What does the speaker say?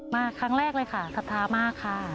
มาครั้งแรกเลยค่ะศรัทธามากค่ะ